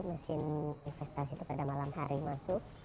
mesin investasi itu pada malam hari masuk